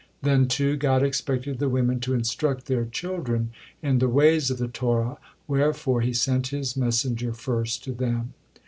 Then, too, God expected the women to instruct their children in the ways of the Torah, wherefore He sent His messenger first to them.